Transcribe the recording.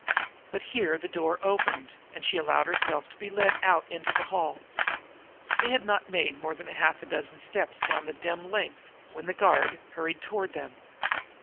But here the door opened, and she allowed herself to be led out into the hall. They had not made more than half a dozen steps down its dim length when the guard hurried toward them.